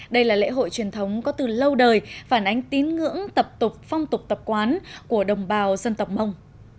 đây là lễ hội truyền thống có từ lâu đời phản ánh tín ngưỡng tập tục phong tục tập quán của đồng bào dân tộc mông